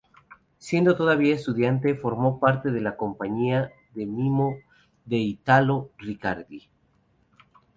Siendo todavía estudiante formó parte de la compañía de mimo de Italo Riccardi.